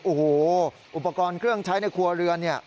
โอ้โหอุปกรณ์เครื่องใช้ในครัวเรือนเนี่ย